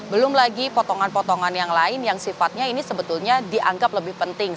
belum lagi potongan potongan yang lain yang sifatnya ini sebetulnya dianggap lebih penting